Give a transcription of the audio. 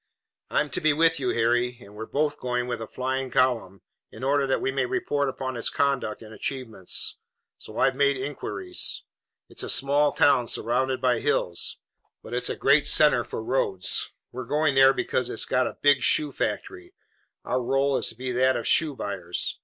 "I'm to be with you, Harry, and we're both going with a flying column, in order that we may report upon its conduct and achievements. So I've made inquiries. It's a small town surrounded by hills, but it's a great center for roads. We're going there because it's got a big shoe factory. Our role is to be that of shoe buyers.